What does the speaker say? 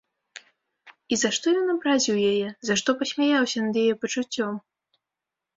І за што ён абразіў яе, за што пасмяяўся над яе пачуццём?